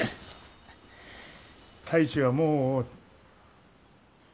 太一はもう。